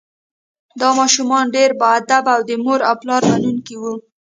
دا ماشومان ډیر باادبه او د مور او پلار منونکي وو